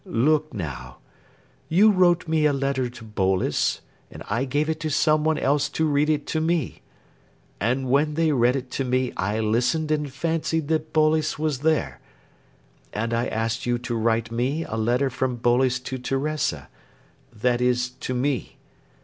"Look, now! you wrote me a letter to Boles, and I gave it to some one else to read it to me; and when they read it to me I listened and fancied that Boles was there. And I asked you to write me a letter from Boles to Teresa that is to me.